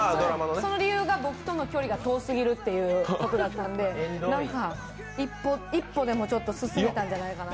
その理由が、僕との距離が遠すぎるということだったんで一歩でも進めたんじゃないかなと。